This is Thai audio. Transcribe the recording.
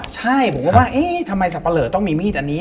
ใช่ผมก็ว่าเอ๊ะทำไมสับปะเหลอต้องมีมีดอันนี้